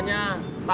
nggak buat semuanya